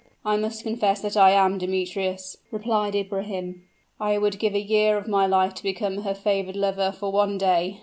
"I must confess that I am, Demetrius," replied Ibrahim; "I would give a year of my life to become her favored lover for one day.